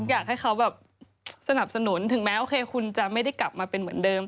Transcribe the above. อยากให้เขาแบบสนับสนุนถึงแม้โอเคคุณจะไม่ได้กลับมาเป็นเหมือนเดิม